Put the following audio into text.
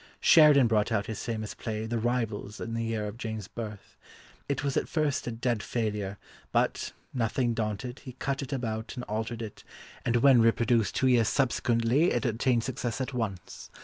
Sheridan brought out his famous play The Rivals in the year of Jane's birth; it was at first a dead failure, but, nothing daunted, he cut it about and altered it, and when reproduced two years subsequently it attained success at once.